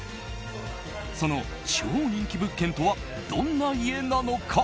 その超人気物件とはどんな家なのか。